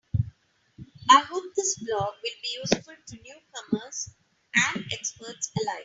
I hope this blog will be useful to newcomers and experts alike.